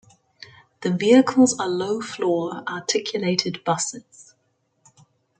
The vehicles are low-floor, articulated buses.